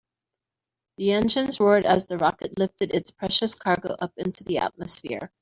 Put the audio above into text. The engines roared as the rocket lifted its precious cargo up into the atmosphere.